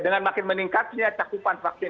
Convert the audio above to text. dengan makin meningkatnya cakupan vaksin